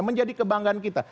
menjadi kebanggaan kita